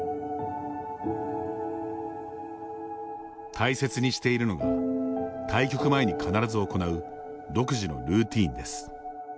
大切にしているのが対局前に必ず行う独自のルーティンです。